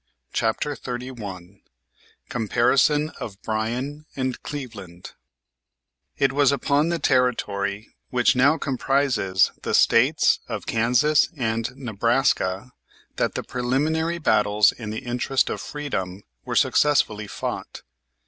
CHAPTER XXXI COMPARISON OF BRYAN AND CLEVELAND It was upon the territory which now comprises the States of Kansas and Nebraska that the preliminary battles in the interest of freedom were successfully fought.